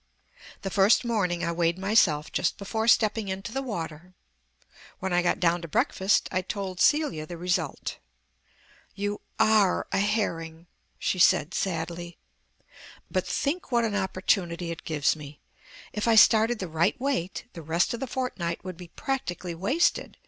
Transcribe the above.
The first morning I weighed myself just before stepping into the water. When I got down to breakfast I told Celia the result. "You are a herring," she said sadly. "But think what an opportunity it gives me. If I started the right weight, the rest of the fortnight would be practically wasted.